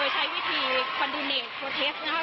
โดยใช้วิธีคอนดูเนคโปรเทสนะคะ